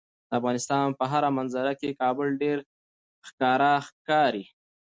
د افغانستان په هره منظره کې کابل ډیر ښکاره ښکاري.